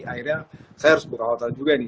akhirnya saya harus buka hotel juga nih